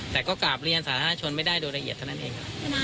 แต่ก็กราบเรียนสาธารณชนไม่ได้โดยละเอียดเท่านั้นเองครับ